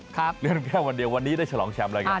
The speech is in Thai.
แค่วันเดียววันนี้ได้ฉลองแชมป์เลยครับ